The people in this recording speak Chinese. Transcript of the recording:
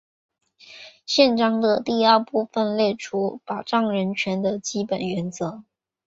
宪章的第二部分列出保障人权的基本原则。